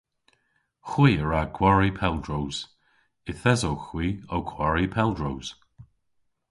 Hwi a wra gwari pel droos. Yth esowgh hwi ow kwari pel droos.